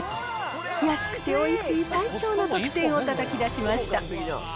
安くておいしい最高の得点をたたき出しました。